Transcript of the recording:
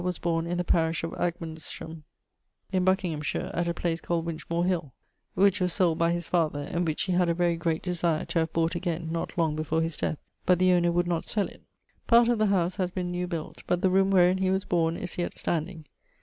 was borne in the parish of Agmundesham, in Buckinghamshire, at a place called Winchmore hill, which was sold by his father, and which he had a very great desire to have bought again, not long before his death, but the owner would not sell it: part of the house haz been new built, but the roome wherein he was borne is yet standing.